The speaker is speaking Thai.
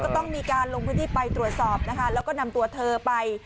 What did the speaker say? ต้องมีการลงพื้นที่ไปตรวจสอบนะคะแล้วก็นำตัวเธอไป